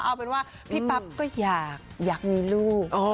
เอาเป็นว่าพี่ปั๊บก็อยากมีลูก